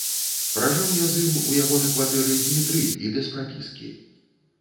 Пражыў я з ім, у яго на кватэры, дні тры, і без прапіскі.